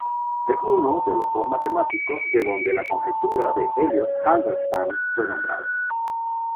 Es uno de los dos matemáticos de donde la conjetura de Elliott–Halberstam fue nombrado.